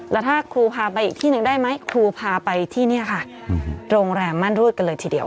แล้วถ้าครูพาไปอีกที่หนึ่งได้ไหมครูพาไปที่นี่ค่ะโรงแรมมั่นรูดกันเลยทีเดียว